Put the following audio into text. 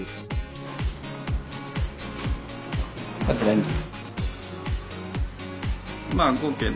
こちらに。